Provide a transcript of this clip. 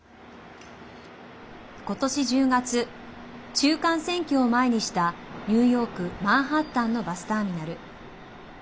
今年１０月中間選挙を前にしたニューヨーク・マンハッタンのバスターミナル。